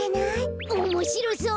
おもしろそう！